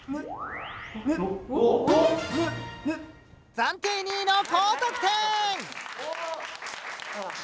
暫定２位の高得点！